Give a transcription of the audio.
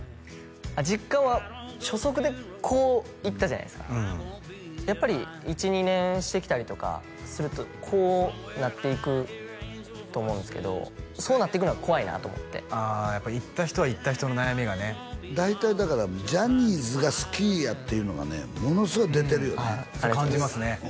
実感は初速でこう行ったじゃないですかやっぱり１２年してきたりとかするとこうなっていくと思うんですけどそうなっていくのは怖いなと思ってああやっぱ行った人は行った人の悩みがね大体だからジャニーズが好きやっていうのがねものすごい出てるよねありがとうございます